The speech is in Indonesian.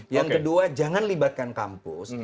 yang kedua jangan libatkan kampus